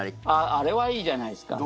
あれはいいじゃないですか。